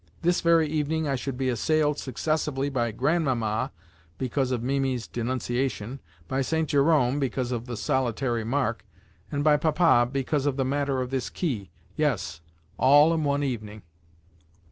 This very evening I should be assailed successively by Grandmamma (because of Mimi's denunciation), by St. Jerome (because of the solitary mark), and by Papa (because of the matter of this key)—yes, all in one evening!